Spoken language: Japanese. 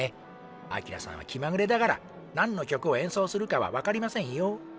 アキラさんは気まぐれだから何の曲をえんそうするかは分かりませんよ。